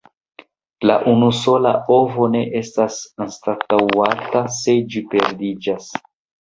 La unusola ovo ne estas anstataŭata se ĝi perdiĝas.